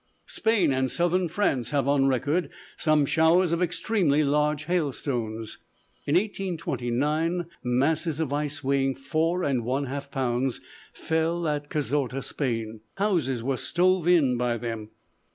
Spain and southern France have on record some showers of extremely large hailstones. In 1829, masses of ice weighing four and one half pounds fell at Cazorta, Spain. Houses were stove in by them.